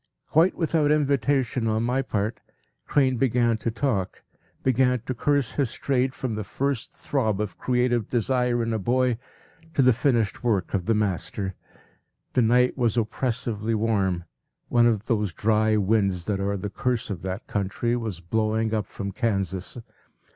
Quite without invitation on my part, Crane began to talk, began to curse his trade from the first throb of creative desire in a boy to the finished work of the master. The night was oppressively warm; one of those dry winds that are the curse of that country was blowing up from Kansas.